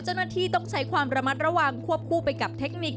เจ้าหน้าที่ต้องใช้ความระมัดระวังควบคู่ไปกับเทคนิค